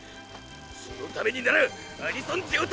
そのためにならアニソン上等！